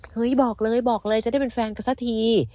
บอกเลยบอกเลยจะได้เป็นแฟนกันสักที